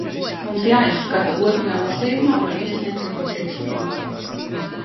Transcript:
Mums jāizskata otrajā lasījumā par iesniegtajiem priekšlikumiem.